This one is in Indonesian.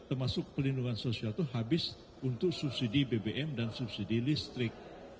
termasuk pelindungan sosial itu habis untuk subsidi bbm dan subsidi listrik